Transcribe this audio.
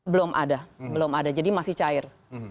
belum ada belum ada jadi masih cair